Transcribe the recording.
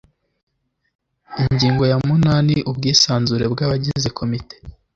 ingingo ya munani ubwisanzure bw abagize komite